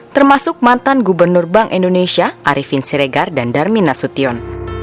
termasuk mantan gubernur bank indonesia arifin siregar dan darmin nasution